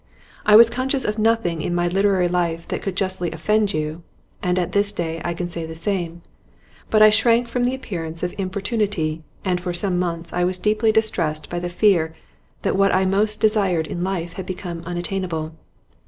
I was conscious of nothing in my literary life that could justly offend you and at this day I can say the same but I shrank from the appearance of importunity, and for some months I was deeply distressed by the fear that what I most desired in life had become unattainable.